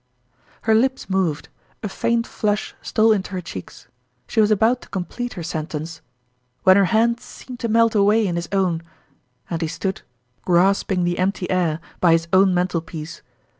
Her lips moved, a faint flush stole into her cheeks ; she was about to complete her sen tence, when her hand seemed to melt away in his own, and he stood, grasping the empty air, by his own mantelpiece.